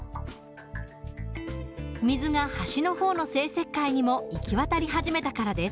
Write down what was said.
水が端の方の生石灰にも行き渡り始めたからです。